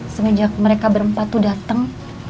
sengejak mereka berempat tuh dateng